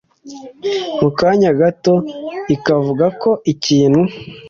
mu kanya gato ikavuga ko ikintu